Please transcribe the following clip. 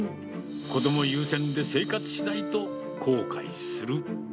子ども優先で生活しないと、後悔する。